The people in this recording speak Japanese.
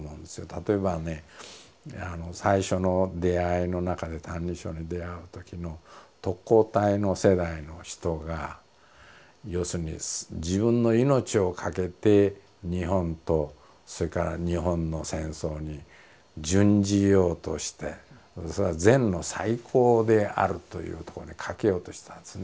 例えばね最初の出会いの中で「歎異抄」に出会うときの特攻隊の世代の人が要するに自分の命を懸けて日本とそれから日本の戦争に殉じようとしてそれは善の最高であるというとこに懸けようとしたんですね。